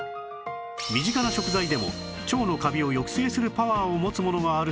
身近な食材でも腸のカビを抑制するパワーを持つものがあるそうです